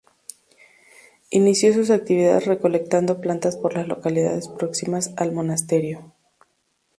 Inició sus actividades recolectando plantas por las localidades próximas al monasterio.